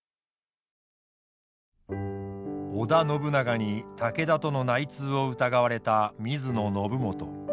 織田信長に武田との内通を疑われた水野信元。